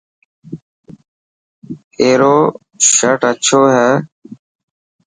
ائرو شرٽ اڇو هي.